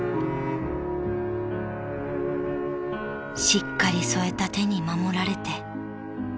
［しっかり添えた手に守られて］